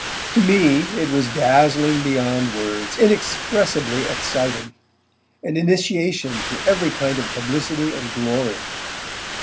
To me it was dazzling beyond words, inexpressibly exciting, an initiation to every kind of publicity and glory.